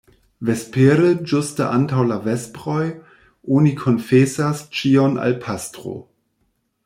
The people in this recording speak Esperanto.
Vespere, ĝuste antaŭ la vesproj, oni konfesas ĉion al pastro.